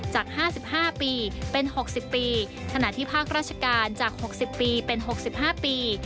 จาก๕๕ปีเป็น๖๐ปีขณะที่ภาคราชการจาก๖๐ปีเป็น๖๕ปี